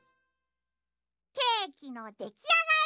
ケーキのできあがり。